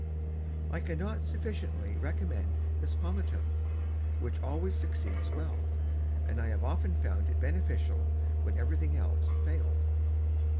I cannot sufficiently recommend this Pomatum, which always succeeds well, and I have often found it beneficial when every thing else fail'd.